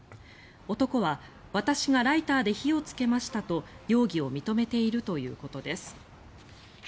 男は私がライターで火をつけましたと容疑を認めているということです。